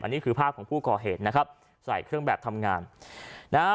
นี่คือภาพของผู้ก่อเหตุนะครับใส่เครื่องแบบทำงานนะฮะ